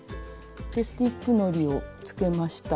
スティックのりをつけました。